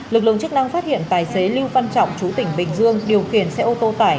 lực lượng chức năng phát hiện tài xế lưu văn trọng chú tỉnh bình dương điều khiển xe ô tô tải